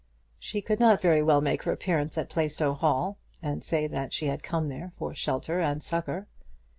She could not very well make her appearance at Plaistow Hall, and say that she had come there for shelter and succour.